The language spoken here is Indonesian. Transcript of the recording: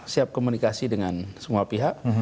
siap komunikasi dengan semua pihak